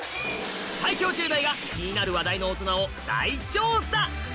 最強１０代が気になる話題のオトナを大調査